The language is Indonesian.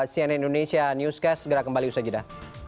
cnn indonesia newscast segera kembali usai jeda